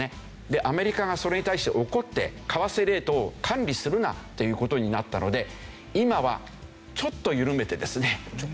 でアメリカがそれに対して怒って為替レートを管理するなっていう事になったので今はちょっと緩めてですね